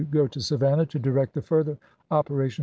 go to Savannah to direct the further operations April, 1865.